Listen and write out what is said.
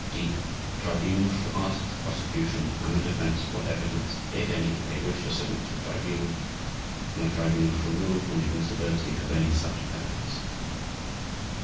(d) The Tribunal shall ask the Prosecution and the Defense what evidence (if any) they wish to submit to the Tribunal, and the Tribunal shall rule upon the admissibility of any such evidence.